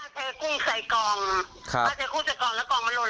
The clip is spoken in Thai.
ป้าเทกุ้งใส่กองแล้วกล่องมันหล่นแล้วป้ารีบจะขายของให้อีกเจ้านึง